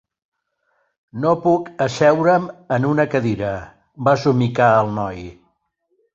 "No puc asseure'm en una cadira", va somicar el noi.